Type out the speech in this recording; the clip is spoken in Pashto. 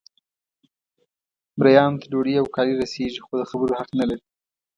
مریانو ته ډوډۍ او کالي رسیږي خو د خبرو حق نه لري.